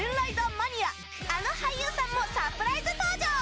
マニアあの俳優さんもサプライズ登場。